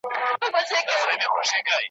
د یووالي د نارو پهلوانان یو ,